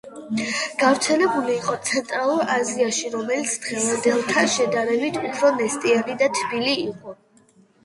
გავრცელებული იყო ცენტრალურ აზიაში, რომელიც დღევანდელთან შედარებით უფრო ნესტიანი და თბილი იყო.